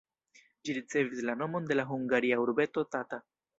Ĝi ricevis la nomon de la hungaria urbeto Tata.